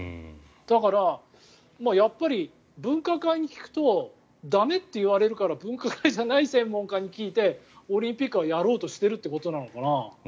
だから、やっぱり分科会に聞くと駄目と言われるから分科会じゃない専門家に聞いてオリンピックはやろうとしているということなのかな？